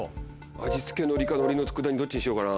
味付け海苔かのりの佃煮どっちにしようかな。